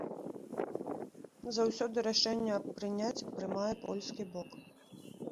Заўсёды рашэнне аб прыняцці прымае польскі бок.